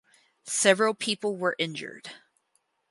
Several people were injured.